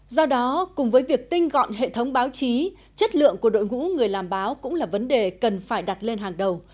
do đó cùng với việc tinh gọn hệ thống báo chí chất lượng của đội ngũ người làm báo cũng là vấn đề cần phải đặt lên hàng đầu